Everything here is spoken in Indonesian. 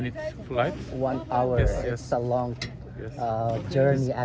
satu jam itu perjalanan yang panjang